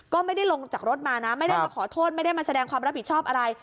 ก็ไม่ได้ลงจากรถมานะไม่ได้มาขอโทษไม่ได้มาแสดงความรับผิดชอบอะไร